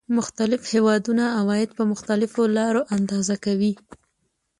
مختلف هېوادونه عواید په مختلفو لارو اندازه کوي